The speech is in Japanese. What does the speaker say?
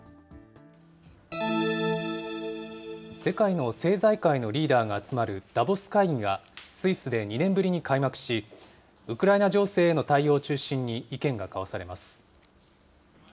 世界の政財界のリーダーが集まるダボス会議がスイスで２年ぶりに開幕し、ウクライナ情勢への対応を中心に意見が交わされます。